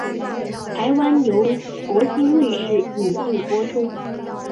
台湾由国兴卫视引进播出。